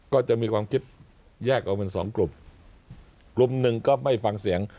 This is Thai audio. ก็จะมีความคิดแยกออกเป็นสองกลุ่มกลุ่มหนึ่งก็ไม่ฟังเสียง